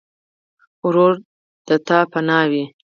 ورور د تا پناه وي.